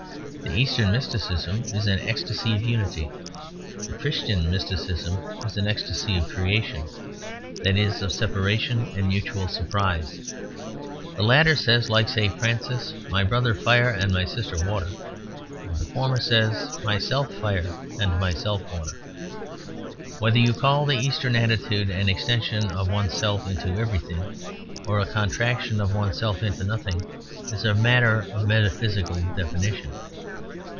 The Eastern mysticism is an ecstasy of unity; the Christian mysticism is an ecstasy of creation, that is of separation and mutual surprise. The latter says, like St. Francis, "My brother fire and my sister water"; the former says, "Myself fire and myself water." Whether you call the Eastern attitude an extension of oneself into everything or a contraction of oneself into nothing is a matter of metaphysical definition.